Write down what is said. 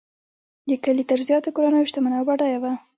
د کلي تر زیاتو کورنیو شتمنه او بډایه وه.